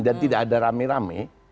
dan tidak ada rame rame